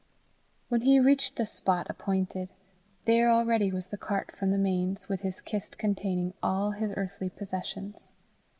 When he reached the spot appointed, there already was the cart from the Mains, with his kist containing all his earthly possessions.